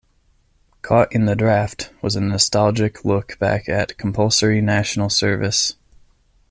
"Caught in the Draft" was a nostalgic look back at compulsory national service.